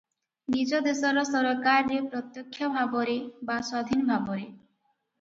ନିଜ ଦେଶର ସରକାରରେ ପ୍ରତ୍ୟକ୍ଷ ଭାବରେ ବା ସ୍ୱାଧୀନ ଭାବରେ ।